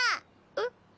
えっ？